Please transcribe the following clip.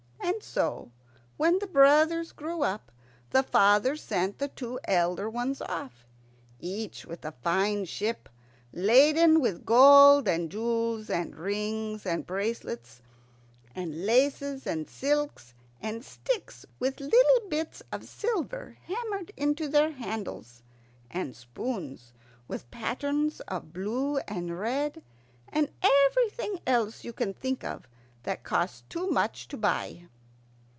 And so, when the brothers grew up, the father sent the two elder ones off, each in a fine ship laden with gold and jewels, and rings and bracelets, and laces and silks, and sticks with little bits of silver hammered into their handles, and spoons with patterns of blue and red, and everything else you can think of that costs too much to buy.